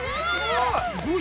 すごい！